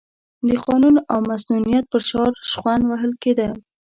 د قانون او مصونیت پر شعار شخوند وهل کېده.